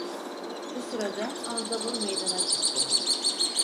Bu sırada Anzavur meydana çıktı.